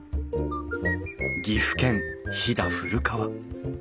岐阜県飛騨古川